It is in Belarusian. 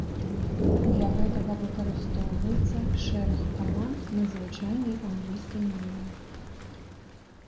Для гэтага выкарыстоўваецца шэраг каманд на звычайнай англійскай мове.